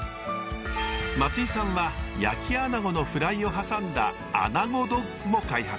松井さんは焼きアナゴのフライを挟んだアナゴドッグも開発。